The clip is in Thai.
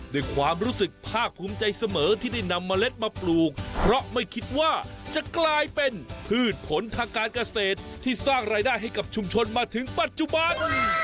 ด้วยความรู้สึกภาคภูมิใจเสมอที่ได้นำเมล็ดมาปลูกเพราะไม่คิดว่าจะกลายเป็นพืชผลทางการเกษตรที่สร้างรายได้ให้กับชุมชนมาถึงปัจจุบัน